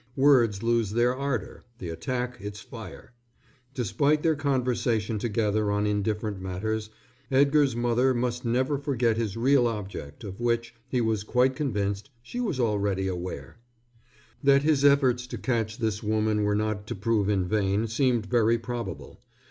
Words lose their ardor, the attack its fire. Despite their conversation together on indifferent matters, Edgar's mother must never forget his real object, of which, he was quite convinced, she was already aware. That his efforts to catch this woman were not to prove in vain seemed very probable.